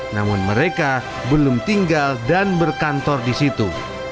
namun mereka belum tinggal dan berkantor di situ